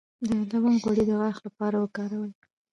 د لونګ غوړي د غاښ لپاره وکاروئ